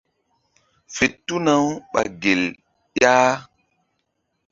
Fe tuna-u ɓa gel ƴah.